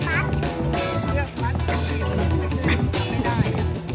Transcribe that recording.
ไม่ได้